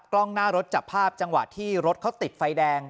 กล้องหน้ารถจับภาพจังหวะที่รถเขาติดไฟแดง